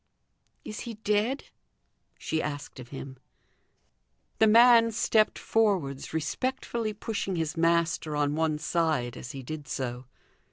"Is he dead?" she asked of him. The man stepped forwards, respectfully pushing his master on one side as he did so.